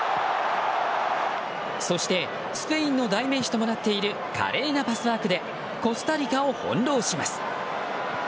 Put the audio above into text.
そして、スペインの代名詞ともなっている華麗なパスワークでコスタリカを翻弄します。